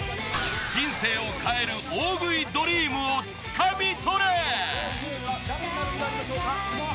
人生を変える大食いドリームを掴みとれ！